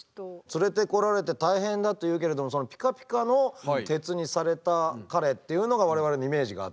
連れてこられて大変だというけれどもピカピカの鉄にされた彼っていうのが我々のイメージがあって。